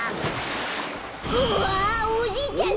うわおじいちゃん